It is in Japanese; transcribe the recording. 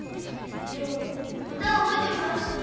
でも歌は覚えてます。